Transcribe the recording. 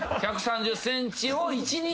１３０ｃｍを一日。